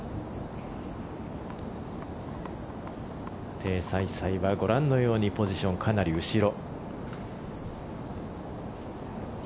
テイ・サイサイはご覧のように、ポジションかなり後ろ。